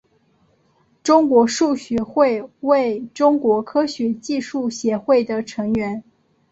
中国数学会为中国科学技术协会的成员。